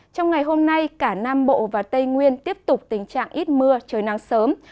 trong ngày hôm nay cả nam bộ và tây nguyên tiếp tục tình trạng ít mưa trời nắng sớm